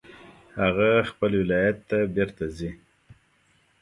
هغه خپل ولایت ته بیرته ځي